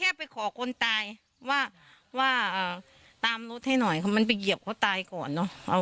ไม่ไปเจอไปขอคนตายว่าตามรถให้หน่อยเขานไปเหยียบตายก่อนน่ะ